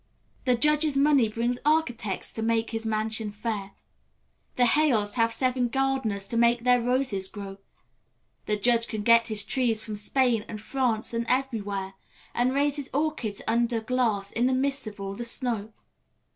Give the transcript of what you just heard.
The Judge's money brings architects to make his mansion fair; The Hales have seven gardeners to make their roses grow; The Judge can get his trees from Spain and France and everywhere, And raise his orchids under glass in the midst of all the snow.